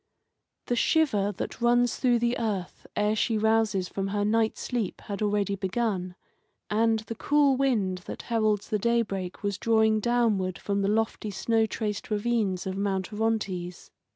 The shiver that runs through the earth ere she rouses from her night sleep had already begun, and the cool wind that heralds the daybreak was drawing downward from the lofty snow traced ravines of Mount Orontes.